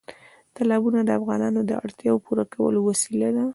تالابونه د افغانانو د اړتیاوو پوره کولو وسیله ده.